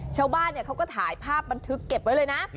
ชาวบ้านเขาก็ถ่ายภาพบันทึกเก็บไว้เลยนะ